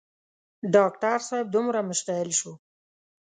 ډاکټر صاحب دومره مشتعل شو.